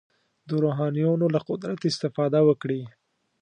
د روحانیونو له قدرت استفاده وکړي.